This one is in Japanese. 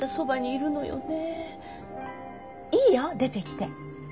いいよ出てきて。